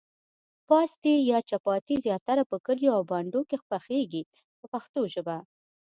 پاستي یا چپاتي زیاتره په کلیو او بانډو کې پخیږي په پښتو ژبه.